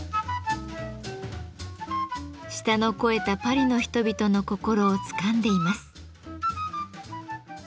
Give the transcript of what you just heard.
舌の肥えたパリの人々の心をつかんでいます。